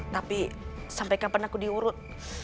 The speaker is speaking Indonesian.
tapi sampai kapan aku diurut